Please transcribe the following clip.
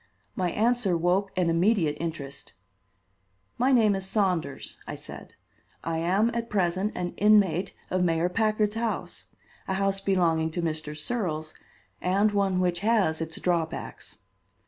My answer woke an immediate interest. "My name is Saunders," I said. "I am at present an inmate of Mayor Packard's house a house belonging to Mr. Searles, and one which has its drawbacks."